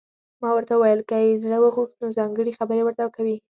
ما ورته وویل: که یې زړه وغوښت، نو ځانګړي خبرې ورته کوي.